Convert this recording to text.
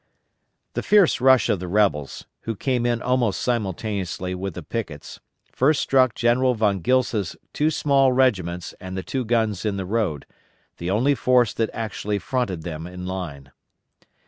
The fierce rush of the rebels, who came in almost simultaneously with the pickets, first struck General Von Gilsa's two small regiments and the two guns in the road, the only force that actually fronted them in line.